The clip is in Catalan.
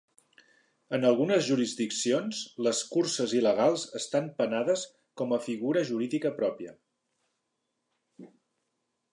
En algunes jurisdiccions, les curses il·legals estan penades com a figura jurídica pròpia.